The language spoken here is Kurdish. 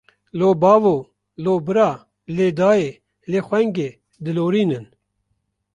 Lo bavo, lo bira, lê dayê, lê xungê, dilorînin.